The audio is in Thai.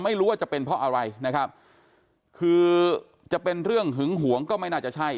ไม่รู้ว่าจะเป็นเพราะอะไรนะครับคือจะเป็นเรื่องหึงหวงก็ไม่น่าจะใช่